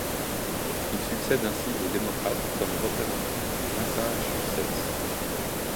Il succède ainsi au démocrate comme représentant du du Massachusetts.